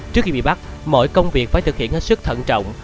trước khi bị bắt mọi công việc phải thực hiện hết sức thận trọng